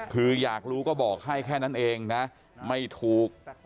คืออยากรู้ก็บอกให้แค่นั้นเองนะไม่ถูก